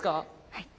はい。